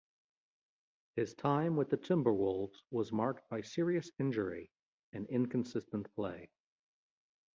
His time with the Timberwolves was marked by serious injury and inconsistent play.